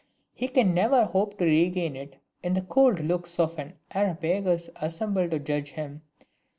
He can never hope to regain it in the cold looks of an Areopagus assembled to judge him.